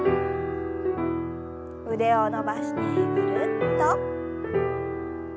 腕を伸ばしてぐるっと。